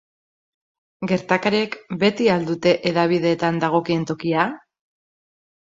Gertakariek beti al dute hedabideetan dagokien tokia?